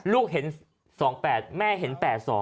ลูกเห็น๒๘แม่เห็น๘๒